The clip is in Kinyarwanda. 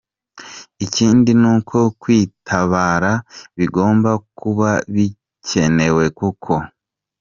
Ikindi n’uko kwitabara bigomba kuba bikenewe koko.